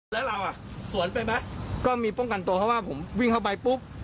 แล้วเราอ่ะสวนไปไหมก็มีป้องกันตัวเพราะว่าผมวิ่งเข้าไปปุ๊บ